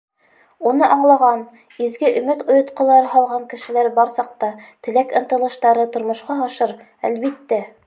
Уны аңлаған, изге өмөт ойотҡолары һалған кешеләр бар саҡта, теләк-ынтылыштары тормошҡа ашыр, әлбиттә!